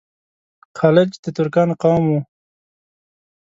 خلج د ترکانو قوم وو.